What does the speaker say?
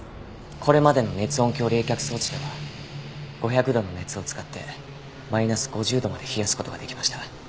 これまでの熱音響冷却装置では５００度の熱を使ってマイナス５０度まで冷やす事ができました。